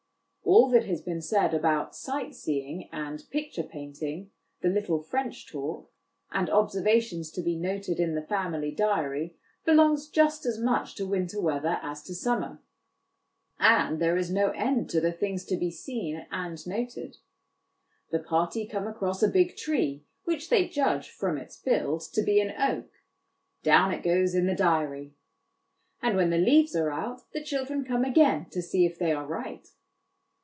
All that has been said about * sight seeing ' and ' picture painting,' the little French talk, and observations to be noted in the 86 HOME EDUCATION family diary, belongs just as much to winter weather as to summer ; and there is no end to the things to be seen and noted. The party come across a big tree which they judge, from its build, to be an oak down it goes in the diary ; and when the leaves are out, the children come again to see if they are right.